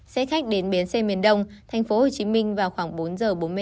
xe khách đến bến xe miền đông tp hcm vào khoảng bốn h bốn mươi năm